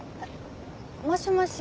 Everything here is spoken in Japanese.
もしもし。